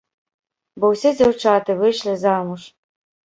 Бо ўсе дзяўчаты выйшлі замуж.